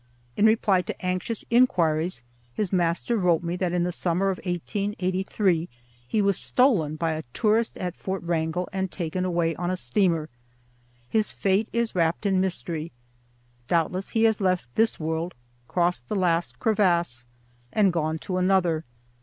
In reply to anxious inquiries his master wrote me that in the summer of 1883 he was stolen by a tourist at Fort Wrangel and taken away on a steamer. His fate is wrapped in mystery. Doubtless he has left this world—crossed the last crevasse—and gone to another.